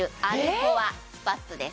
コアスパッツです